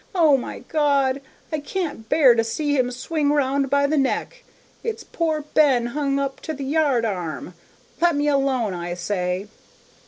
O my God, I can't bear to see him swing round by the neck! It's poor Ben hung up to the yard arm. Let me alone, I say!'